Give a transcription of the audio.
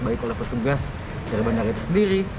ada tugas dari bandara itu sendiri